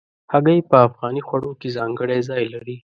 هګۍ په افغاني خوړو کې ځانګړی ځای لري.